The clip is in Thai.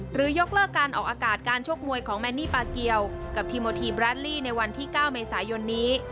ยกเลิกการออกอากาศการชกมวยของแมนนี่ปาเกียวกับทีโมทีแบรดลี่ในวันที่๙เมษายนนี้